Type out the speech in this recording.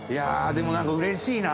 でも、なんか、うれしいな。